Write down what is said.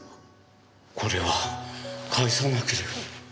これは返さなければ。